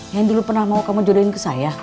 yang dulu pernah mau kamu jodohin ke saya